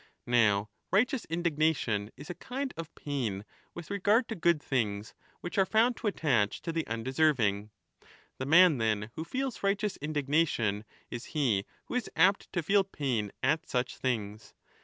20 Now righteous indignation is a kind of pain with regard to good things which are found to attach to the undeserv ing. The man, then, who feels righteous indignation is he who is apt to feel pain at such things.